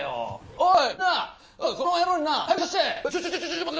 おい！